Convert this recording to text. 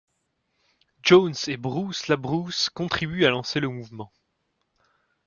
Jones et Bruce LaBruce, contribue à lancer le mouvement.